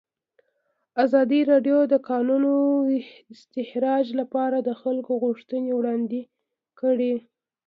ازادي راډیو د د کانونو استخراج لپاره د خلکو غوښتنې وړاندې کړي.